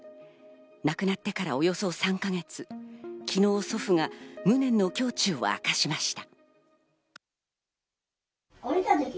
亡くなってからおよそ３か月、昨日、祖父が無念の胸中をあかしました。